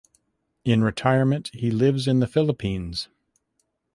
In retirement he lives in the Philippines.